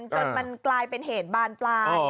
จนมันกลายเป็นเหตุบานปลาย